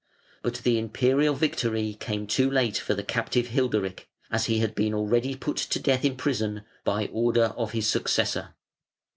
But the Imperial victory came too late for the captive Hilderic, as he had been already put to death in prison by order of his successor.